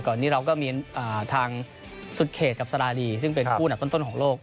นี้เราก็มีทางสุดเขตกับสาราดีซึ่งเป็นคู่หนักต้นของโลก